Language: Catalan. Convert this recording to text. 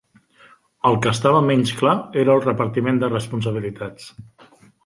El que estava menys clar era el repartiment de responsabilitats.